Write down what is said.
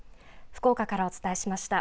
福岡からお伝えしました。